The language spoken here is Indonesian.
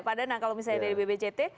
pak danang kalau misalnya dari bbct